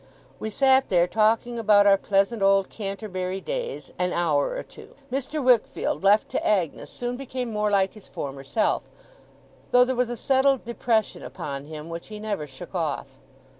We sat there, talking about our pleasant old Canterbury days, an hour or two. Mr. Wickfield, left to Agnes, soon became more like his former self; though there was a settled depression upon him, which he never shook off.